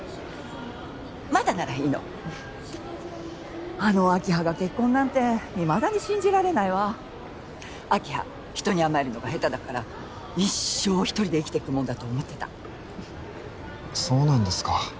まだならいいのあの明葉が結婚なんていまだに信じられないわ明葉人に甘えるのが下手だから一生一人で生きてくもんだと思ってたそうなんですか